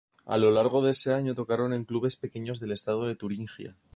A lo largo de ese año tocaron en clubes pequeños del estado de Turingia.